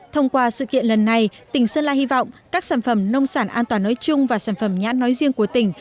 thông qua sự kiện lần này tỉnh sơn la hy vọng các sản phẩm nông sản an toàn nói chung và sản phẩm nhãn nói riêng của tỉnh